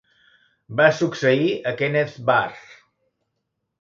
Va succeir a Kenneth Barr.